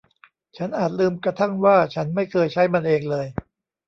ฉันอาจลืมกระทั่งว่าฉันไม่เคยใช้มันเองเลย